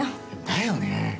だよね。